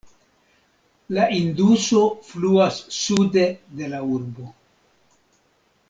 La Induso fluas sude de la urbo.